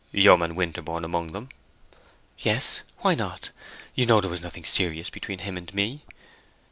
"Yeoman Winterborne among them." "Yes—why not? You know there was nothing serious between him and me."